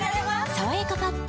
「さわやかパッド」